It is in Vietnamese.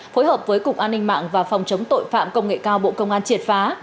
phối hợp với cục an ninh mạng và phòng chống tội phạm công nghệ cao bộ công an triệt phá